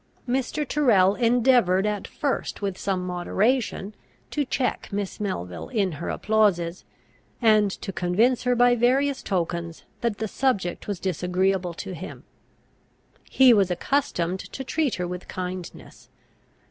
Mr. Tyrrel endeavoured at first with some moderation to check Miss Melville in her applauses, and to convince her by various tokens that the subject was disagreeable to him. He was accustomed to treat her with kindness.